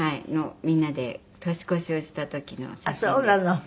みんなで年越しをした時の写真です。